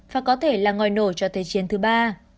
và có thể là ngòi nổ cho thế chiến thứ ba